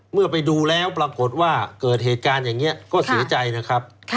เมื่อไปดูแล้วปรากฏว่าเกิดเหตุการณ์อย่างนี้ก็เสียใจนะครับ